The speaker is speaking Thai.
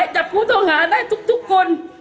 จับผู้ต้องหาได้ทุกคน